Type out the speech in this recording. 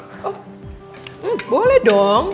hmm boleh dong